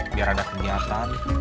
biar ada kegiatan